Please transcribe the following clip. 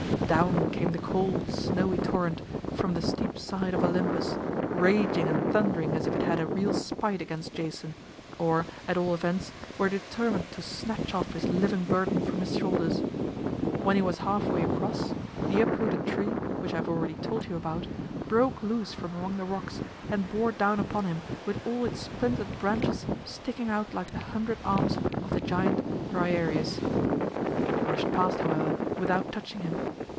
Down came the cold, snowy torrent from the steep side of Olympus, raging and thundering as if it had a real spite against Jason or, at all events, were determined to snatch off his living burden from his shoulders. When he was half way across the uprooted tree (which I have already told you about) broke loose from among the rocks and bore down upon him with all its splintered branches sticking out like the hundred arms of the giant Briareus. It rushed past, however, without touching him.